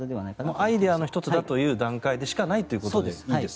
アイデアの１つだという段階でしかないと。